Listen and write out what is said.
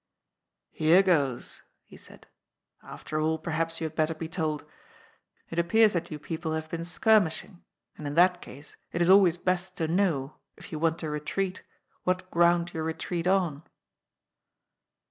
" Here goes," he said. " After all, per haps you had better be told. It appears that you people have been skirmishing, and in that case it is always best to know, if you want to retreat, what ground you retreat on."